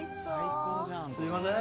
すみません。